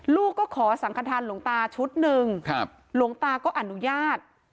ลูกก็ขอสังขทานหลวงตาชุดหนึ่งหลวงตาก็อนุญาต